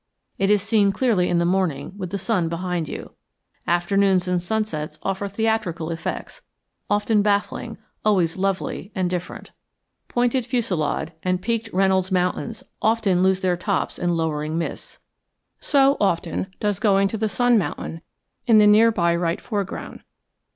It is seen clearly in the morning with the sun behind you. Afternoons and sunsets offer theatrical effects, often baffling, always lovely and different. Pointed Fusillade and peaked Reynolds Mountains often lose their tops in lowering mists. So, often, does Going to the Sun Mountain in the near by right foreground.